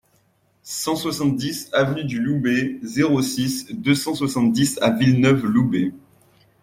cent soixante-dix avenue du Loubet, zéro six, deux cent soixante-dix à Villeneuve-Loubet